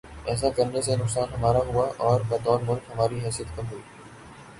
ایسا کرنے سے نقصان ہمارا ہوا اور بطور ملک ہماری حیثیت کم ہوئی۔